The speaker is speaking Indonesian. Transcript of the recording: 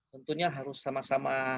tentunya harus sama sama